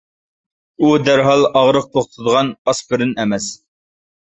ئۇ دەرھال ئاغرىق توختىتىدىغان ئاسپىرىن ئەمەس.